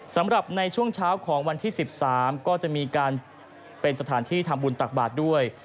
สำหรับในช่วงเช้าของวันที่๑๓ก็จะมีการเป็นสถานที่ทำบุญตักบาทด้วย